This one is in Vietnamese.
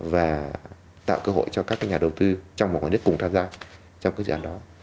và tạo cơ hội cho các nhà đầu tư trong và ngoài nước cùng tham gia trong cái dự án đó